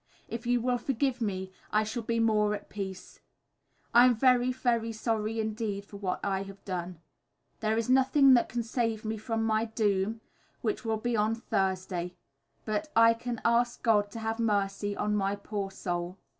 If you will forgive me, I shall be more at peace. I am very, very sorry indeed, for what I have done. There is nothing that can save me from my doom, which will be on Thursday, but I can ask God to have mercy on my poor soul.